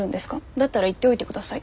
だったら言っておいてください。